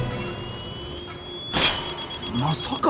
まさか。